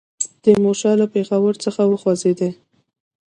تیمورشاه له پېښور څخه وخوځېدی.